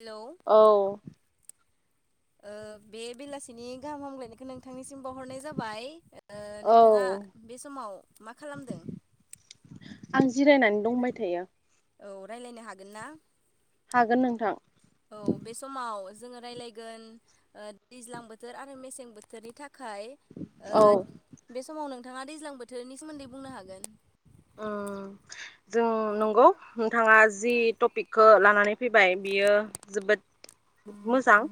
Hello औ ओ बे बेलासिनि गाहाम हामग्लायनायखो नोंथांनिसि सिम बावहरनाय जाबाय ओ औ नोंथाङा बे समाव मा खालामदों आं जिरायनानै दंबाय थायो औ रायलायनो हागोन ना हागोन नोंथां औ बे समाव जोङो रायलायगोन ओ दैज्लां बोथोर आरो मेसें बोथोरनि था खाय ओ औ बे समाव नोंथाङा दैज्लां बोथोरनि सोमोन्दै बुंनो हागोन ओ जों नंगौ नोंथाङा जि टपिकखौ लानानै फैबाय बियो जोबोद मोजां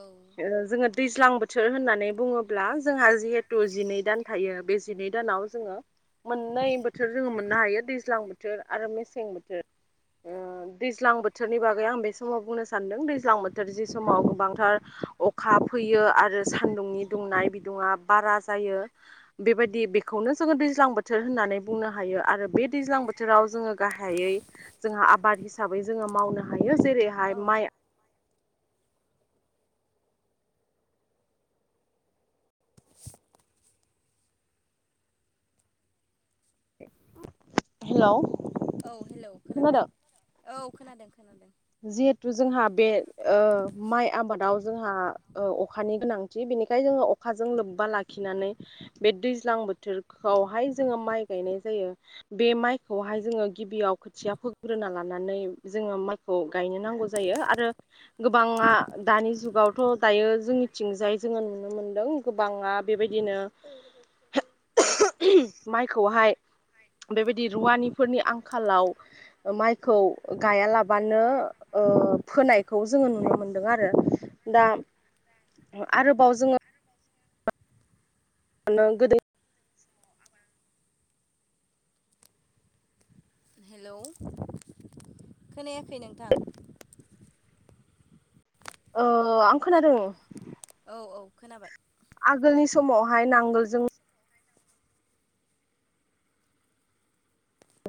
औ ओ जोङो दैज्लां बोथोर होननानै बुङोब्ला जोंहा जिहेथु जिनै दान थायो बे जिनै दानाव जोङो मोननै बोथोर जोङो मोननो हायो दैज्लां बोथोर आरो मेसें बोथोर ओ दैज्लां बोथोरनि बागै आं बे समाव बुंनो सानदों दैज्लां बोथोर जि समाव गोबांथार अखा फैयो आरो सान्दुंनि दुंनाय बिदुङा बारा जायो बेबायदि बेखौनो जोङो दैज्लां बोथोर होननानै बुंनो हायो आरो बे दैज्लां बोथोराव जोङो गाहायै जोंहा आबाद हिसाबै जोङो मावनो हायो जेरैहाय माइ [unintelligible] हेल' औ हेलौ खोनाबाय औ खोनादों खोनादों जिहेथु जोंहा बे ओ माइ आबादाव जोंहा ओ अखानि गोनांथि बेनिखाय जोङो अखाजों लोब्बा लाखिनानै बे दैज्लां बोथोरखौ आवहाय जोङो माइ गायनाय जायो बे माइखौहाय जोङो गिबियाव खोथिया फोग्रोना लानानै नै जोङो माइ खौ गायनो नांगौ जायो आरो गोबाङा दानि जुगावथ' दायो जोंनिथिंजाय जोङो नुनो मोनदों गोबाङा बेबायदिनो [inaudible] [unintelligible] माइखौहाय बेबायदि रुवानिफोरनि आंखालाव माइखौ गायालाब बानो ओ फोनायखौ जोङो नुनो मोनदों आरो दा आरोबाव जोङो नों गोदै हेलौ खोनायाखै नोंथां अ आं खोनादों औ औ खोनाबाय आगोलनि समावहाय नांगोलजों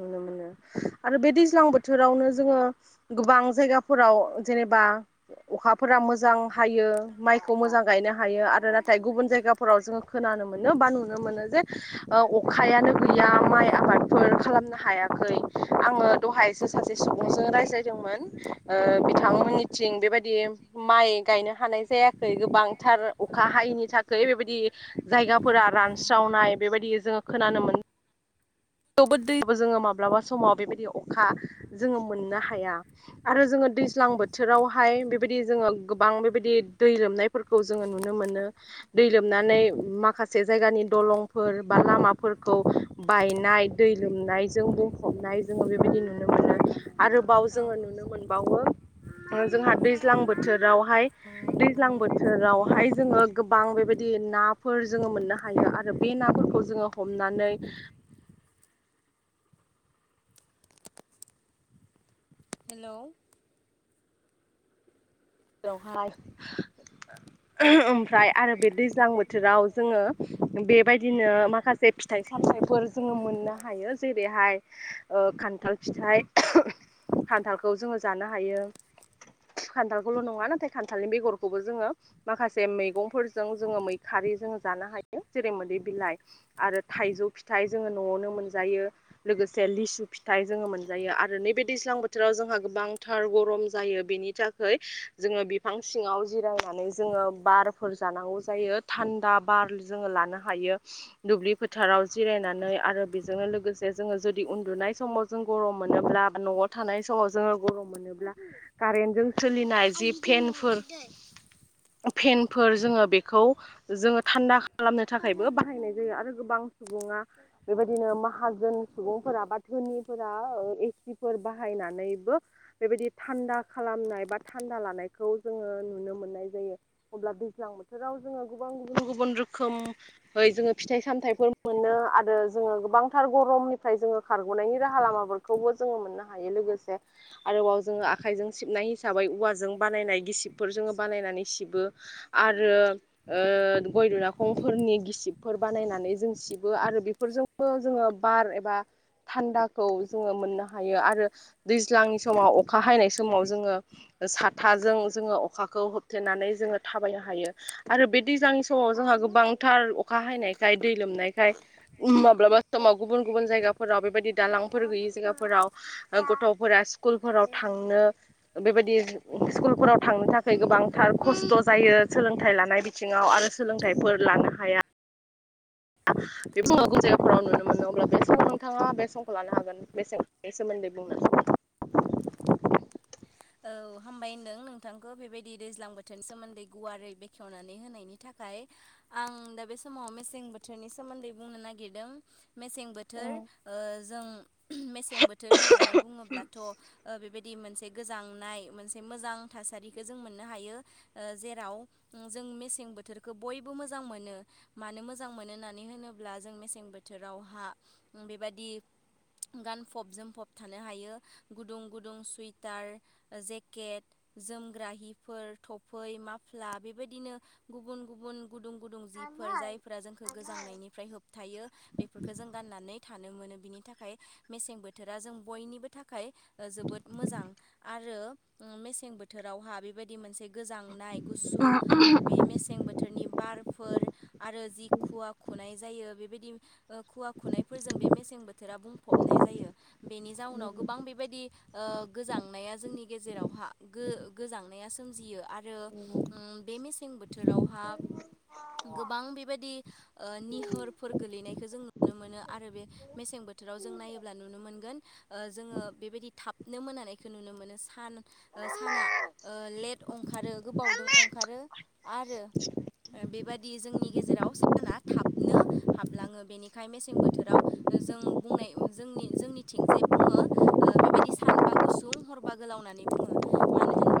नुनो मोनो आरो बे दैज्लां बोथोरावनो जोङो गोबां जायगाफोराव जेनेबा अखाफोरा मोजां हायो माइखौ मोजां गायनो हायो आरो नाथाय गुबुन जायगाफोराव जोङो खोनानो मो मोनो बा नुनो मोनो जे ओ अखायानो गैया माइ आबादफोर खालामनो हायाखै आङो दहायसो सासे सुबुंजों रायज्लायदोंमोन ओ-बिथांमोननिथिं। जों बेबायदि माइ गायनो हानाय जायाखै गोबांथार अखा हायैनि थाखाय बेबायदि जायगाफोरा रानस्रावनाय बेबायदि जोङो खोनानो मोनो थेवबो दैबो जोङो माब्लाबा समाव बेबायदि अखा जोङो मोननो हाया आरो जोङो दैज्लां बोथोरावहाय बेबायदि जोङो गोबां बेबायदि दै लोमनायफोरखौ जोङो नुनो मोनो। दै लोमनानै माखासे जायगानि दलंफोर बा लामाफोरखौ बायनाय दै लोमनायजों बुंफबनाय जोङो बेबायदि नुनो मोननाय आरोबाव औ जोङो नुनो मोनबावो। जोंहा दैज्लां बोथोरावहाय दैज्लां बोथोरावहाय जोङो गोबां बेबायदि। नाफोर जोङो मोननो हायो आरो बे नाफोरखौ जोङो हमनानै हेल'। जेरावहाय ओमफ्राय आरो बे दैज्लां बोथोराव जोङो बेबायदिनो माखासे फिथा थाइ सामथायफोर जोङो मोननो हायो जेरैहाय ओ- खान्थाल फिथाइ खान्थालखौ जोङो जानो हायो खान्थाल ल' नङा नाथाय खान्थालनि बेगरखौबो जोङो माखासे मैगंफोरजों जोङो मैखाजों जों जानो हायो। जेरै मोदै बिलाइ आरो थाइजौ फिथाइ जोङो न'आवनो मोनजायो लोगोसे लिसु फिथाइ जोङो मोनजायो आरो नैबे दैज्लां बोथोराव जोंहा गोबांथार गरम जायो बेनि थाखाय जोङो बिफां सिङाव जिरायनानै जोङो बारफोर जानांगौ जायो थान्दा बार जों लानो हायो दुब्लि फोथाराव जिरायनानै आरो बेजोंनो लोगोसे जों जुदि उन्दु नाय समाव जों गम मोनोब्ला बा न'आव थानाय समाव जोङो गम मोनोब्ला कारेंजों। सोलिनाय जि फेनफोर फेनफोर जोङो बेखौ जोङो थान्दा खालामनो थाखायबो बाहायनाय जायो आरो गोबां सुबुंआ बेबायदिनो माहाजोन सुबुंफोरा बा धोनिफोरा एसिफोर बाहाय हायनानैबो बेबादि थान्दा खालामनाय बा थान्दा लानायखौ जोङो नुनो मोननाय जायो अब्ला दैज्लां बोथोराव जोङो गुबन गुबन रोखोमै जोङो फिथाइ सामथाइफोर मोनो आरो जोङो गोबांथार गरमनिफ्राय जोङो खारग'नायनि राहा लामाफोरखौबो जोङो मोननो हायो लोगोसे आरोबाव जोङो आखाइजों सिबनाय हिसाबै औवाजों बानायनाय गिसिबफोर जोङो बानायनानै सिबो। आरो ओ-गय दुनाखंफोरनि गिसिबफोर बानायनानै जों सिबो आरो रो बेफोरजोंबो जोङो बार एबा थान्दाखौ जोङो मोननो हायो आरो दैज्लांनि समाव अखा हायनाय समाव जोङो ओ-साथाजों जोङो अखाखौ होबथेनानै जोङो थाबायनो हायो आरो बे दैज्लानि समाव जोंहा गोबांथार अखा हायनायखाय दै लोमनायखाय माब्लाबा समाव गुबुन गुब जायगा फोराव बेबायदि दालांफोर गैयै जायगाफोराव ओ-गथ'फोरा स्कुलफोराव थांनो बेबायदि स्कुलफोराव थांनो थाखाय गोबांथार खस्थ' जायो सोलोंथाइ लानाय बिथिङाव आरो सोलोंथाइफोर लानो हाया बे गुबुन गुबुन जायगाफोराव नुनो मोनो अब्ला बे समाव नोंथाङा बे समखौ लानो हागोन बेसे-बे सोमोन दै बुंनो। [inaudible] औ हामबाय होनदों नोंथांखौ बेबायदि दैज्लां बोथोर सोमोन्दै गुवारै बेखेवनानै होनायनि थाखाय। आं दा बे समाव मेसें बोथोरनि सोमोन्दै बुंनो नागिरदों। मेसें बोथोर ओ-जों मेसें बोथोर होननानै बुङोब्लाथ' ओ-बेबायदि मोनसे गोजांनाय मोनसे मोजां थासारिखो जों मोन्नो हायो ओ जेराव जों मेसें बोथोरखो बयबो मोजां मोनो मानो मोजां मोनो होननानै होनोब्ला जों मेसें बोथोराव हा बेबायदि गानफब जोमफब थानो हायो गुदुं गुदुं सुइट टार जेकेट जोमग्रा हिफोर थफै माफ्ला बेबायदिनो गुबुन गुबुन गुदुं गुदुं जिफोर जायफोरा जोंखौ गोजांनायनिफ्राय होबथायो बेफोरफोरखो जों गाननानै थानो मोनो बिनि थाखाय मेसें बोथोरा जों बयनिबो थाखाय ओ- जोबोद मोजां। आरो मेसें बोथोरावहा बेबायदि मोनसे गोजांनाय गुसु बे मेसें बोथोरनि बार फोर आरो जि खुवा खुनाय जायो बेबायदि खुवा खुनायफोरजों बे मेसें बोथोराव बुंफबनाय जायो बेनि जाउनाव गोबां बेबायदि गोजांनाय जोंनि गेजेरावहा गोजांनाया सियो आरो बे मेसें बोथोरावहा गोबां बेबायदि निहोरफोर गोलैनायखौ जों नुनो मोनो आरो बे मेसें बोथोराव जों नायोब नुनो मोन जोङो बेबायदि थाबनो मोन नाय नुनो मोनो स साना लेट ओंखारो गोबावदों ओंखारो। आरो बेबादि जोंनि गेजेराव साना थाबनो हाबलाङो बेनिखायनो मेसें बोथोराव जों बुंनाय जोंनिथिंजाय बुङो बेबायदि सानबा गुुं [unintelligible] हा गोलाव होननानै बुङो मानो होन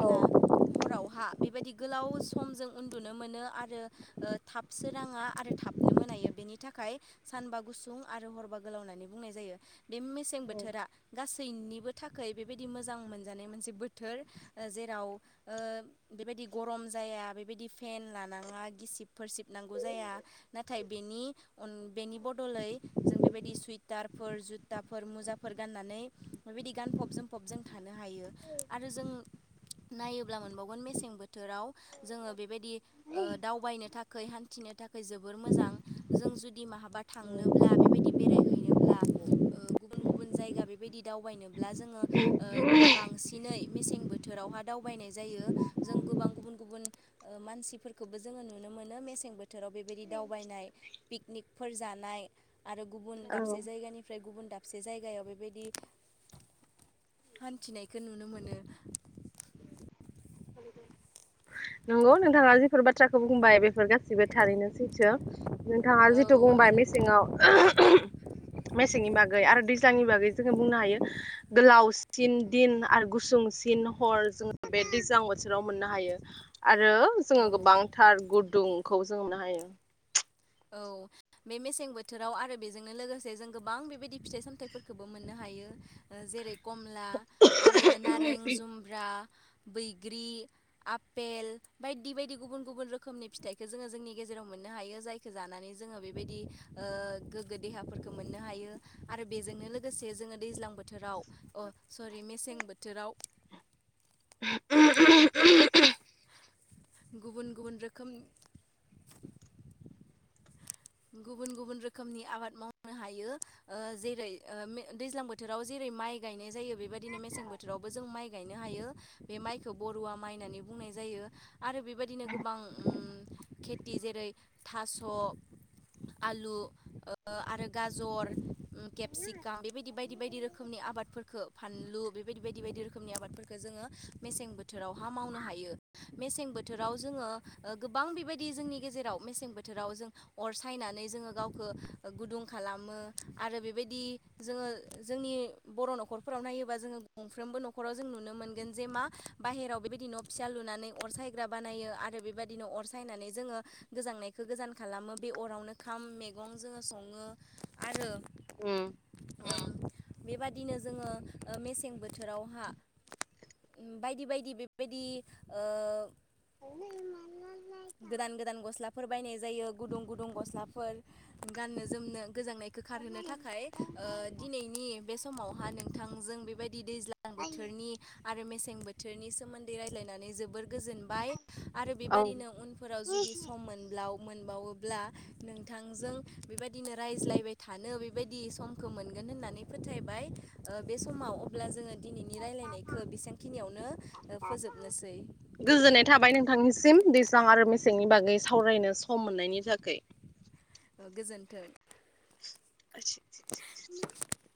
हावहा बेबायदि गोलाव ज उन्दुनो मोनो आरो ओ थाब सोरांआ आरो थाबनो मोनायो बेनि थाखाय सानबा गुुं आरो हरबा गोलाव होननानै बुंनाय जायो बे मेसें बोथोरा गासैनिबो थाखाय बेबायदि मोजां मोनजानाय मोनसे बोथोर जेराव बेबायदि गरम जाया बेबायदि फेन लानाङा गिसिबफोर सिबनांगौ जाया नाथाय बेनि बेनि बदलै जों बेबायदि सुइट टारफोर जुताफोर मुजाफोर गाननानै बेबायदि गानफब जोमफब जों थानो नो हायो आरो जों नायोब्ला मोनबावगोन मेसें बोथोराव जोङो बेबायदि दावबायनो थाख हान्थिनो थाखाय जोबोर मोजां जों जुदि माहा बा थांनोब्ला बेबायदि बेरायहैनोब्ला गुबुन गुबुन जायगा बेबायदि दावबायनो जोङो बांसिनै मेसें बोथोरावहा दावबायनाय जायो जों गोबां गुबुन गुबुन मानसिफोरखौबो जोङो नुनो मोन मोनो मेसें बोथोराव बेबायदि दावबायनाय पिकनिकफोर जानाय आरो गुबुन औ दाबसे जायगानिफ्राय गुबुन दाबसे जायगायाव बेबायदि हान्थिनायखौ नुनो मोनो। नंगौ नोंथाङा जिफोर बाथ्राखौ बुंबाय बेफोर गासै गासिबो थारैनो सैथो नोंथाङा औ जिथु बुंबाय आरो मेसेङाव [unintelligible] मेसेंनि बागै आरो दैज्लांनि बागै जोङो बुंनो हायो गोलावसिन दिन आरो गुसु बोंसिन हर जोङो बे दैजां बोथोराव मोननो हायो आरो जोङो औ गोबांथार गुदुंखौ जोङो मोननो हायो। औ बे मेसें बोथोराव आरो बेजोंनो लोगोसे जों गोबां बेबायदि फिथाइ सामथायाइफोरखौबो मोनो थानो हायो जेरै कमला आरो नारें जुम्ब्रा बैग्रि आफपेल बायदि बायदि गुबुन गुबुन रोखोमनि फिथाइखौ जोङो जोंनि गेजेराव मोननो हायो जाय जानानै जोङो बेबायदि गोग्गो देहाफोरखौ मोननो हायो आरो बेजोंनो लोगोसे जों दैज्लां बोथोराव अ सरि मेसें बोथोराव [unintelligible] गुबुन गुबुन रोखोम गुबुन गुबुन रोखोमनि आबाद मावनो हायो जेरै दैज्लां बोथोराव जेरै माइ गायनाय जायो बेबायदिनो मेसें बोथोरावबो जों माइ गायनो हायो बे माइखौ बर'आ मनानै बुंनाय जायो आरो बेबायदिनो गोबां खे थि जेरै थास' आलु आरो गाजर केपसिकाम बेबायदि बायदि बायदि रोखोमनि आबादफोर खो फानलू बे बायदि बायदि रोखोमनि आबादफोरखो जोङो मेसें बोथोरावहा मावनो हायो। मेसें बोथोराव जोङो गोबां बेबायदि जोंनि गेजेराव मेसें बोथोराव जों अर सायनानै जोङो गावखौ गुदुं खालामो आरो बेबायदि जोङो जोंनि नि बर' न'रफोराव नायोबा जोफ्रबो न'राव जों नुनो मोनोन जे मा बायेराव बेबायदि न फ फिसा लुनानै अर सायग्रा बानायो आरो बेबायाददिनो अर सायनानै जोङो गोजांनायखौ गोजान खालामो। बे अरावनो खाम मैगं जोङो सङो आरो उम उम बेबादिनो जोङो ओ मेसें बोथोरावहा बायदि बायदि बेबायदि ओ [unintelligible] गोदान गोदान गस्लाफोर बायनाय जायो गुदुं गुदुं गस्लाफोर गाननो जोमनो गोजांनायखो खारहोनो थाखाय ओ दिनैनि बे समावहा नोंथांजों बेबायदि दैज्लां बोथोरनि आरो मे सें बोथोरनि सोमोन्दै रायज्लायनानै जोबोर गोजोनबाय आरो औ बेबायदिनो फोराव जुदि सम मोनब्ला आव मोनबावोब्ला नोंथांजों बेबायदिनो रायज्लायबाय थानो बेबायदि समखौ मोन गोन होननानै फोथायबाय ओ बे समाव अब्ला जोङो दिनैनि रायलायनायखो बेसांखिनियावनो फोजोबनोसै गोजोननाय थाबाय नोंथांनिसिम। जां आरो मेसेंनि बागै सावरायनो सम मोननायनि थाखै ओ गोजोन्थों। [inaudible]